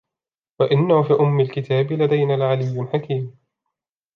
وَإِنَّهُ فِي أُمِّ الْكِتَابِ لَدَيْنَا لَعَلِيٌّ حَكِيمٌ